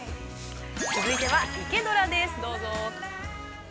◆続いては「イケドラ」です、どうぞ。